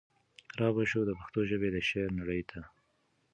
را به شو د پښتو ژبي د شعر نړۍ ته